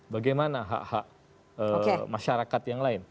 bagaimana hak hak masyarakat yang lain